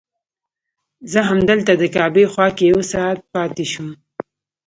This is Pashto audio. زه همدلته د کعبې خوا کې یو ساعت پاتې شوم.